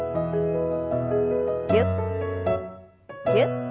ぎゅっぎゅっ。